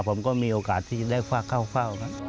ผมก็มีโอกาสที่จะได้วาดเข้า